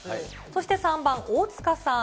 そして３番、大塚さん。